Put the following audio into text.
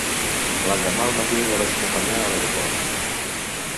L'endemà al matí la vaig acompanyar a l'aeroport.